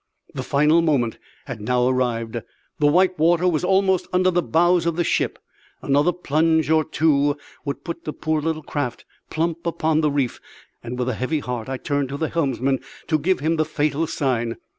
The final moment had now arrived; the white water was almost under the bows of the ship; another plunge or two would put the poor little craft plump upon the reef; and with a heavy heart I turned to the helmsman to give him the fatal sign.